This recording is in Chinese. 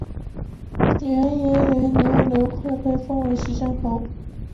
元延元年刘快被封为徐乡侯。